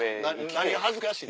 何恥ずかしい？